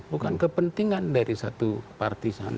bukan kepentingan dari satu partisan